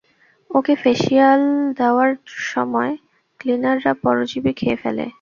ওকে facial দেওয়ার সময় ক্লিনাররা পরজীবী খেয়ে ফেলে।